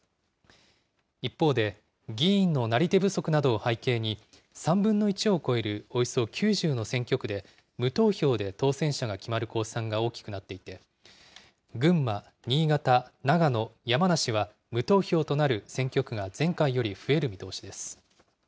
一方で、議員のなり手不足などを背景に、３分の１を超えるおよそ９０の選挙区で無投票で当選者が決まる公算が大きくなっていて、群馬、新潟、長野、山梨は無投票となる選挙区が前回より増える見通しです。